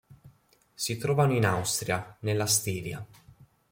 Si trovano in Austria, nella Stiria.